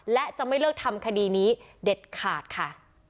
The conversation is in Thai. และจะไม่เลิกทำคดีนี้เด็ดขาดค่ะ